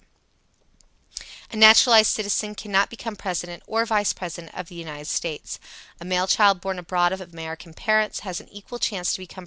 A naturalized citizen cannot become President or Vice President of the United States. A male child born abroad of American parents has an equal chance to become President with one born on American soil.